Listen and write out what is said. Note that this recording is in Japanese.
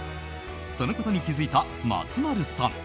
そのことに気付いた松丸さん。